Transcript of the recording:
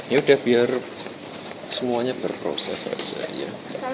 ya udah biar semuanya berproses saja ya